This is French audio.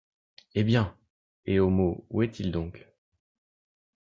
Hé bien! et Homo, où est-il donc?